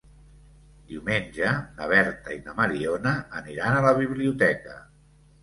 Diumenge na Berta i na Mariona aniran a la biblioteca.